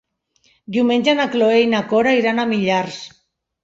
Diumenge na Cloè i na Cora iran a Millars.